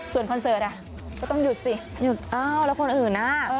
ส่วนคอนเสิร์ตก็ต้องหยุดสิหยุดอ้าวแล้วคนอื่นน่ะ